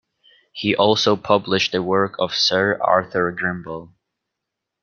He also published the work of Sir Arthur Grimble.